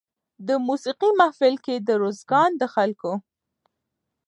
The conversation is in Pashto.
د موسېقۍ محفل کې د روزګان د خلکو